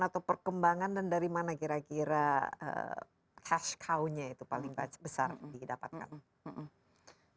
atau perkembangan dan dari mana kira kira cash cow nya itu paling besar didapatkan